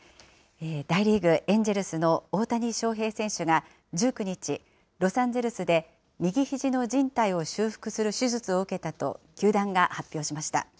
大リーグ・エンジェルスの大谷翔平選手が、１９日、ロサンゼルスで右ひじのじん帯を修復する手術を受けたと、球団が発表しました。